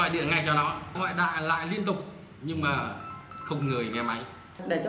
để cho khách nhận hàng thì chúng tôi sẽ ghi là